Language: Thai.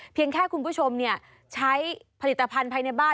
แค่คุณผู้ชมใช้ผลิตภัณฑ์ภายในบ้าน